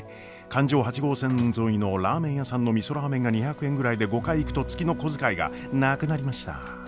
環状８号線沿いのラーメン屋さんのみそラーメンが２００円ぐらいで５回行くと月の小遣いがなくなりましたぁ。